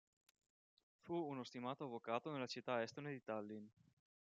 Fu uno stimato avvocato nella città estone di Tallinn.